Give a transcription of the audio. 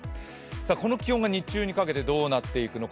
この気温が日中にかけてどうなっていくのか。